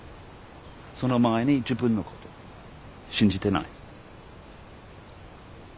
その前に自分のこと信じてない。